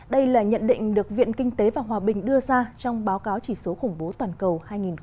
đây là nhận định được viện kinh tế và hòa bình đưa ra trong báo cáo chỉ số khủng bố toàn cầu hai nghìn hai mươi